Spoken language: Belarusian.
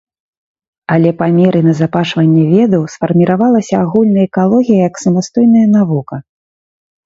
Але па меры назапашвання ведаў сфарміравалася агульная экалогія як самастойная навука.